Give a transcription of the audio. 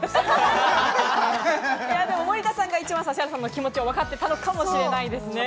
森田さんが一番、指原さんの気持ちをわかったのかもしれませんね。